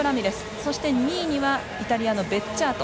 そして２位にはイタリアのベッジャート。